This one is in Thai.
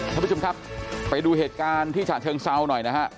ท่านผู้ชมครับไปดูเหตุการณ์ที่ฉะเชิงเซาหน่อยนะฮะ